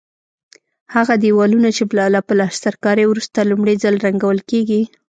هغه دېوالونه چې له پلسترکارۍ وروسته لومړی ځل رنګول کېږي.